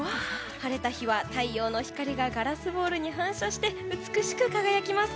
晴れた日は太陽の光がガラスボールに反射して美しく輝きます。